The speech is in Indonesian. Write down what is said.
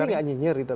kami tidak nyinyir itu